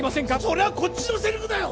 それはこっちのセリフだよ